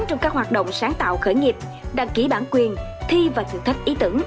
trong các hoạt động sáng tạo khởi nghiệp đăng ký bản quyền thi và thử thách ý tưởng